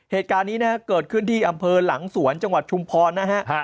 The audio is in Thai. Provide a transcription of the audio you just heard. เหตุการณ์นี้นะฮะเกิดขึ้นที่อำเภอหลังสวนจังหวัดชุมพรนะฮะ